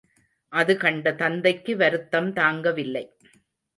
அது கண்ட தந்தைக்கு வருத்தம் தாங்கவில்லை.